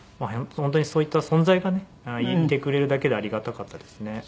本当にそういった存在がねいてくれるだけでありがたかったですね。